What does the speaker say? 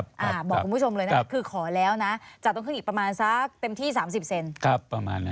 บอกคุณผู้ชมเลยนะคะคือขอแล้วนะจะต้องขึ้นอีกประมาณสักเต็มที่สามสิบเซนครับประมาณนั้น